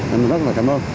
em rất là cảm ơn